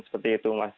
seperti itu mas